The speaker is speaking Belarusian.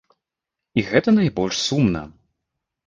І гэта найбольш сумна.